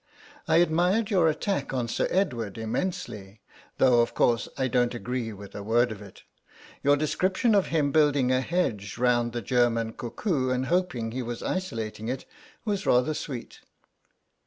I admired your attack on Sir Edward immensely, though of course I don't agree with a word of it. Your description of him building a hedge round the German cuckoo and hoping he was isolating it was rather sweet.